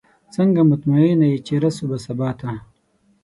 څنګه مطمئنه یې چې رسو به سباته؟